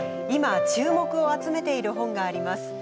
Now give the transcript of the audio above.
今、注目を集めている本があります。